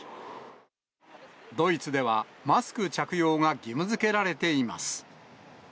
ドイツでは、マスク着用が義務づけられています。